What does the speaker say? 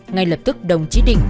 ngay lập tức đồng chí định